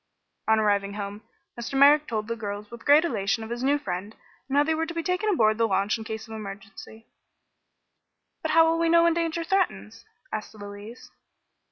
On arriving home Mr. Merrick told the girls with great elation of his new friend, and how they were to be taken aboard the launch in case of emergency. "But how will we know when danger threatens?" asked Louise.